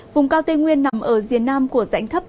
vùng cao tây nguyên nằm ở diện nam của dạnh thấp